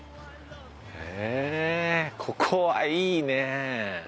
へえここはいいねえ。